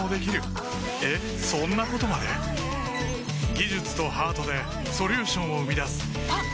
技術とハートでソリューションを生み出すあっ！